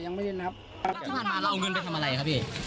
ยังไม่ได้นับแล้วเอาเงินไปทำอะไรครับพี่